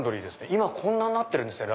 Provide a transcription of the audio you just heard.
今こんななってるんですね。